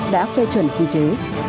đã phê chuẩn quy chế